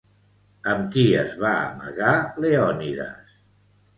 Amb qui es va amagar Leònides?